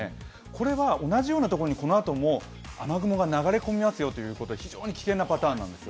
これは同じようなところにこのあとも雨雲が流れ込みますよということで非常に危険なパターンなんです。